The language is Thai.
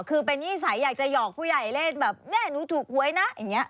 คือเป็นนิสัยอยากจะหอกผู้ใหญ่เล่นแบบแม่หนูถูกหวยนะอย่างนี้